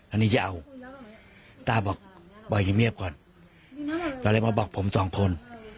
อันนี้จะเอาต้าบอกปล่อยเงียบเงียบก่อนตอนนี้มาบอกผมสองคน